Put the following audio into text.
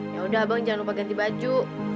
yaudah abang jangan lupa ganti baju